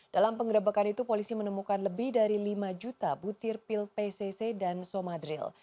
dalam penggerebekan itu polisi menemukan lebih dari lima juta butir pil pcc dan somadril